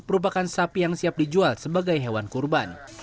merupakan sapi yang siap dijual sebagai hewan kurban